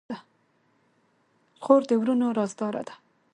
خور د ورور رازدار ده.